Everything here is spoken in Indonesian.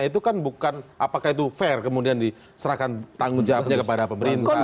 itu kan bukan apakah itu fair kemudian diserahkan tanggung jawabnya kepada pemerintah